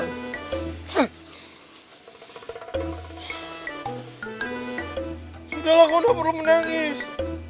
sudahlah kau gak perlu menangis